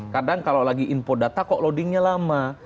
kadang kalau lagi info data kok loadingnya lama